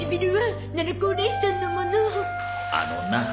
あのなあ。